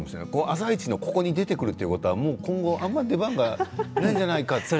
「あさイチ」のここに出てくるっていうことはもう今後あんまり出番がないんじゃないかっていう。